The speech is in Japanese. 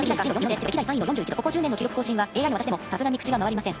ここ１０年の記録更新はＡＩの私でもさすがに口が回りません。